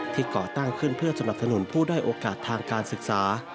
ก่อตั้งขึ้นเพื่อสนับสนุนผู้ด้อยโอกาสทางการศึกษา